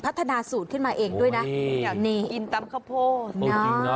พัฒนาสูตรขึ้นมาเองด้วยน่ะอย่างนี้กินตำขะโพสเออจริงน่ะ